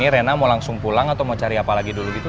rena mau langsung pulang atau mau cari apa lagi dulu gitu